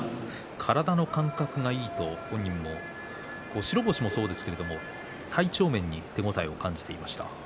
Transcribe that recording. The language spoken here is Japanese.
体の感覚がいいと、本人も白星もそうですけども体調面に手応えを感じていました。